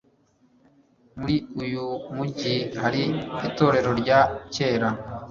Muri uyu mujyi hari itorero rya kera.